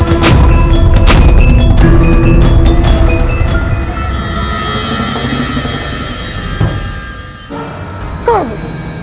kau belum tahu